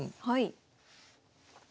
はい。